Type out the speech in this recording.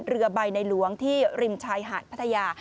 เรือใบในหลวงที่ริมชายหาดพัทยา